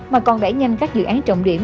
mà còn đẩy nhanh các dự án trọng điểm